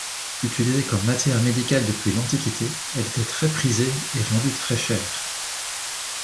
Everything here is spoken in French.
Utilisée comme matière médicale depuis l'Antiquité, elle était très prisée et vendue très chère.